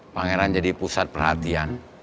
pangeran jadi pusat perhatian